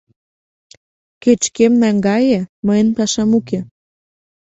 — Кеч-кӧм наҥгае, мыйын пашам уке.